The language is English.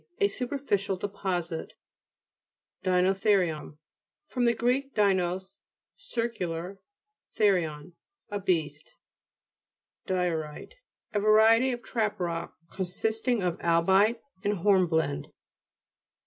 A superficial deposit (p. 92). DINOTHE'RIUM fr. gr. dinos, cir cular, therion, a beast (p. 86). DI'OIUTE A variety of trap rock consisting of albite and hornblende.